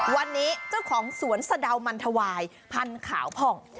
วันนี้เจ้าของสวนสะดาวมันทวายพันธุ์ขาวผ่อง